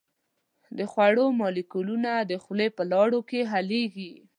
د خوړو مالیکولونه د خولې په لاړو کې حلیږي.